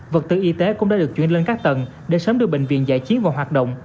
vật tư y tế cũng đã được chuyển lên các tầng để sớm đưa bệnh viện giải chiến vào hoạt động